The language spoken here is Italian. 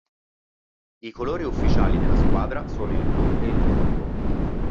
I colori ufficiali della squadra sono il blu e il bianco.